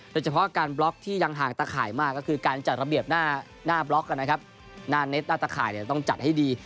โดยเฉพาะการบล็อกที่ยังห่างตะข่ายมากก็คือการจัดระเบียบหน้าบล็อกนะครับหน้าเน็ตหน้าตะข่ายต้องจัดให้ดี